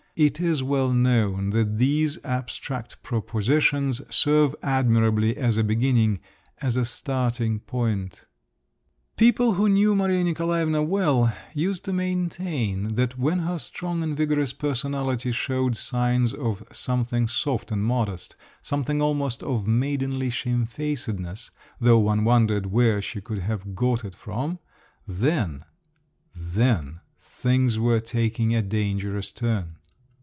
It is well known that these abstract propositions serve admirably as a beginning … as a starting point…. People who knew Maria Nikolaevna well used to maintain that when her strong and vigorous personality showed signs of something soft and modest, something almost of maidenly shamefacedness, though one wondered where she could have got it from … then … then, things were taking a dangerous turn.